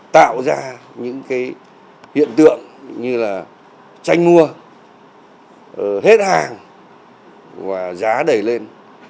tạo ra những cái hiện tượng như là tranh mua hết hàng và giá đẩy lên